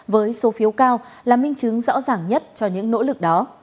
với số phiếu cao là minh chứng rõ ràng nhất cho những nỗ lực đó